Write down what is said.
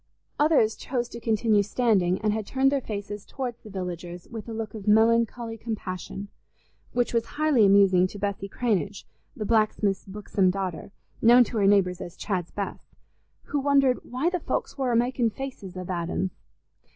Others chose to continue standing, and had turned their faces towards the villagers with a look of melancholy compassion, which was highly amusing to Bessy Cranage, the blacksmith's buxom daughter, known to her neighbours as Chad's Bess, who wondered "why the folks war amakin' faces a that'ns."